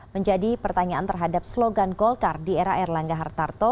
menjadi pertanyaan terhadap slogan golkar di era erlangga hartarto